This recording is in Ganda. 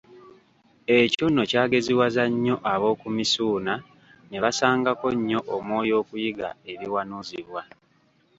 Ekyo nno kyageziwaza nnyo ab'oku Misuuna ne bassangako nnyo omwoyo okuyiga ebiwanuuzibwa.